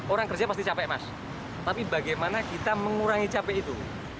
orang kerja pasti capek mas tapi bagaimana kita mengurangi capek itu